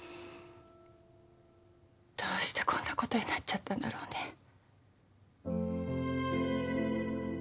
どうしてこんなことになっちゃったんだろうね。